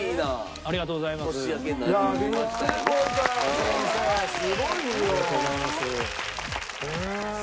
ありがとうございます。